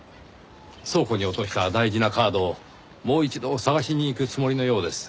倉庫に落とした大事なカードをもう一度捜しに行くつもりのようです。